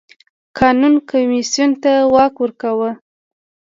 قانون کمېسیون ته واک ورکاوه.